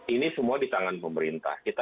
ini semua di tangan pemerintah kita